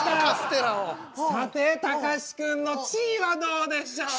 さてたかしくんの地位はどうでしょう？